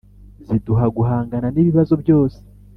ziduha guhangana n’ibibazo byose